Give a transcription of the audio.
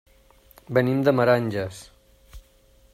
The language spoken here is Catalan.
Venim de Meranges.